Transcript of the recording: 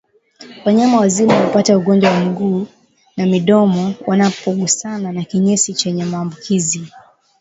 Wanyama wazima hupata ugonjwa wa miguu na midomo wanapogusana na kinyesi chenye maambukizi